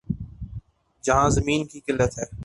جہاں زمین کی قلت ہے۔